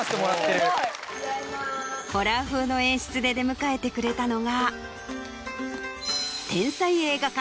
ホラー風の演出で出迎えてくれたのが。